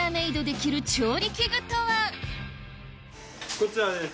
こちらです。